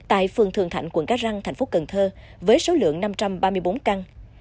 tại phường thường thạnh quận cá răng thành phố cần thơ với số lượng năm trăm ba mươi bốn căn